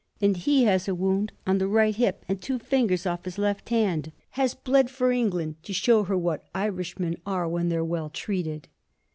And he has a wound on the right hip and two fingers off his left hand; has bled for England, to show her what Irishmen are when they're well treated.